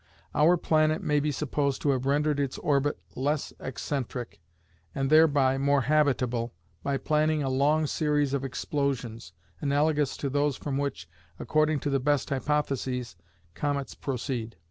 Our planet may be supposed to have rendered its orbit less excentric, and thereby more habitable, by planning a long series of explosions, analogous to those from which, according to the best hypotheses, comets proceed.